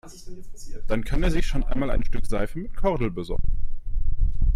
Dann kann er sich schon einmal ein Stück Seife mit Kordel besorgen.